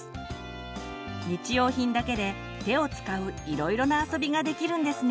日用品だけで手を使ういろいろな遊びができるんですね。